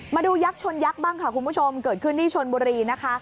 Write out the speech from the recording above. ยักษ์ชนยักษ์บ้างค่ะคุณผู้ชมเกิดขึ้นที่ชนบุรีนะคะ